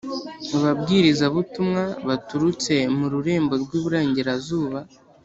Ababwirizabutumwa baturutse mu rurembo rw’Iburengerazuba